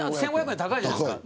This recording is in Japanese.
１５００円高いじゃないですか。